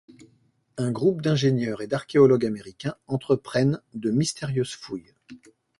Un groupe d’ingénieurs et d’archéologues américains entreprennent de mystérieuses fouilles.